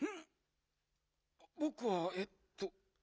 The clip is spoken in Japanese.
ぼくはえっとこれ。